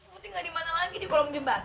mungkin gak dimana lagi di kolam jembatan